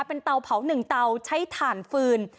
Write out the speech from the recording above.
เป็นเตาเผา๑เตาใช้ถ่านฟืน